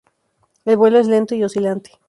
El vuelo es lento y oscilante.